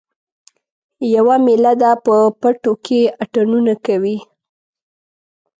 یوه میله ده په پټو کې اتڼونه کوي